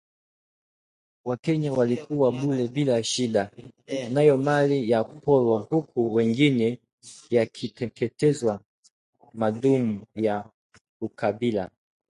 Wakenya waliuwawa bure bila shida, nayo mali yakaporwa huku mengine yakiteketezwa maadamu ya ukabila